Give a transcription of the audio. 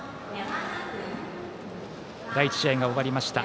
第１試合が終わりました。